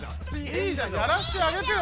いいじゃんやらしてあげてよ。